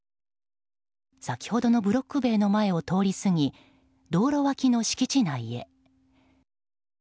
先ほどのブロック塀の前を通り過ぎ、道路脇の敷地内へ。